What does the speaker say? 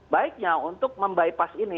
baiknya untuk mem bypass ini